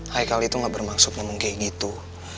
hikal itu gak bermaksud ngomong kayak gitu